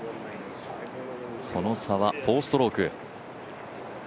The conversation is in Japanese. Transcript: その差は４ストローク。